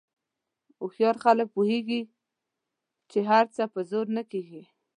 هوښیار خلک پوهېږي چې هر څه په زور نه کېږي.